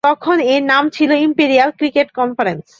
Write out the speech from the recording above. তখন এর নাম ছিল ইম্পেরিয়াল ক্রিকেট কনফারেন্স।